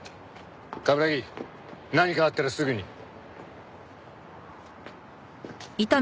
冠城何かあったらすぐに。